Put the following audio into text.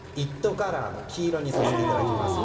カラーの黄色にさせていただきます。